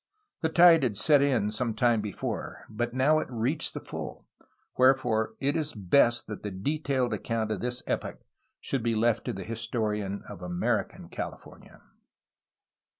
The tide had set in some time before, but now it reached the full, wherefore it is best that the detailed account of this epoch should be left to the historian of American California.